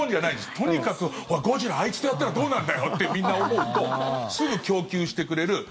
とにかくおい、ゴジラあいつとやったらどうなんだよってみんな思うとすぐ供給してくれる。